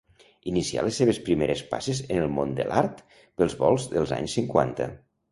Inicià les seves primeres passes en el món de l'art pels volts dels anys cinquanta.